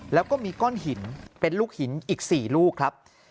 แล้วก็มีก้อนหินเป็นลูกหินอีก๔ลูกครับ